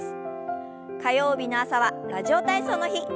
火曜日の朝は「ラジオ体操」の日。